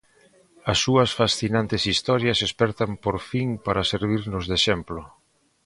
As súas fascinantes historias espertan por fin para servirnos de exemplo.